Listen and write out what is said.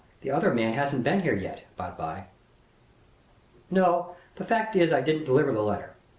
The other man hasn't been here yet, by the by." "No; the fact is I didn't deliver the letter.